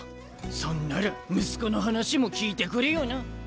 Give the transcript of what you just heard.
そんなら息子の話も聞いてくれよな。